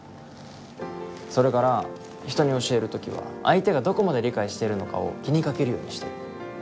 それから人に教える時は相手がどこまで理解しているのかを気にかけるようにしてる。